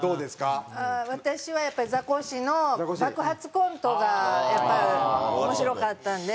私はやっぱりザコシの爆発コントがやっぱり面白かったんで。